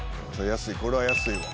安いこれは安いわ。